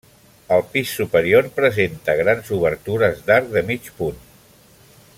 El pis superior presenta grans obertures d'arc de mig punt.